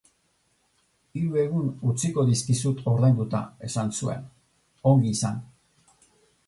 Hiru egun utziko dizkizut ordainduta, esan zuen, ongi izan.